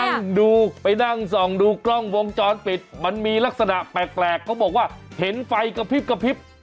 นั่งดูไปนั่งส่องดูกล้องวงจรปิดมันมีลักษณะแปลกเขาบอกว่าเห็นไฟกระพริบกระพริบ